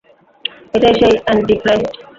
এটাই সেই অ্যান্টিক্রাইস্ট!